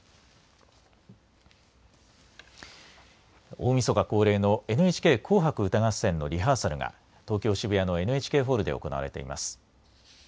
大みそか恒例のＮＨＫ紅白歌合戦のリハーサルが東京・渋谷のＮＨＫホールで行われています。